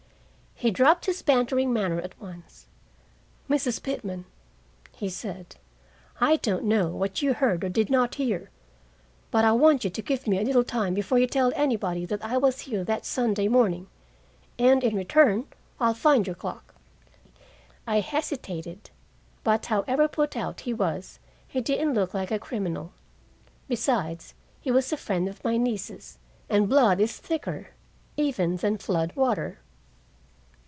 He dropped his bantering manner at once. "Mrs. Pitman," he said, "I don't know what you heard or did not hear. But I want you to give me a little time before you tell anybody that I was here that Sunday morning. And, in return, I'll find your clock." I hesitated, but however put out he was, he didn't look like a criminal. Besides, he was a friend of my niece's, and blood is thicker even than flood water.